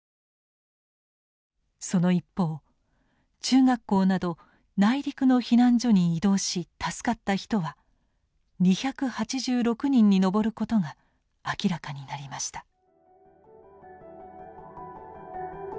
その一方中学校など内陸の避難所に移動し助かった人は２８６人に上ることが明らかになりました。